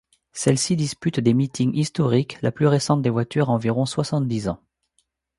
Celles-ci disputent des meetings historiques, la plus récente des voitures a environ soixante-dix ans.